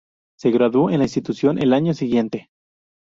Se graduó de la institución el año siguiente.